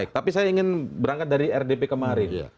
tapi saya ingin berangkat dari rdp kemarin